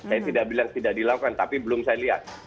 saya tidak bilang tidak dilakukan tapi belum saya lihat